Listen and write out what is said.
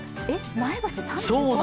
前橋、３５？